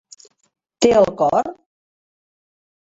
Té el cor?